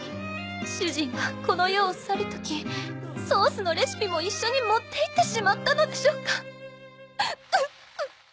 主人はこの世を去る時ソースのレシピも一緒に持っていってしまったのでしょうか。